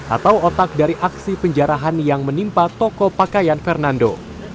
atau otak dari aksi penjarahan yang menimpa toko pakaian fernando